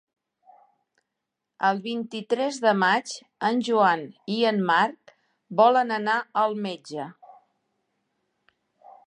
El vint-i-tres de maig en Joan i en Marc volen anar al metge.